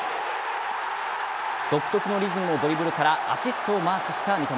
独特のリズムのドリブルからアシストをマークした三笘。